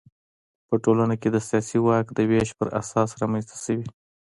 په ټولنه کې د سیاسي واک د وېش پر اساس رامنځته شوي.